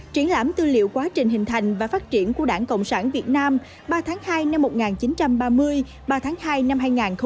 triển lãm tư liệu quá trình hình thành và phát triển của đảng cộng sản việt nam ba tháng hai năm một nghìn chín trăm ba mươi ba tháng hai năm hai nghìn hai mươi